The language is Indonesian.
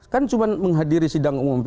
kan cuma menghadiri sidang umum